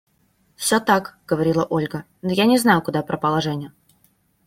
– Все так, – говорила Ольга. – Но я не знаю, куда пропала Женя.